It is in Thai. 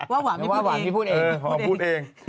วาบหวามพี่พูดเอง